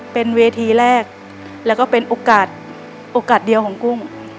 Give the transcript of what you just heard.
เป็นเวทีแรกแล้วก็เป็นโอกาสเดียวของกุ้ง